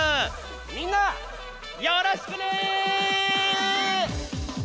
みんなよろしくね！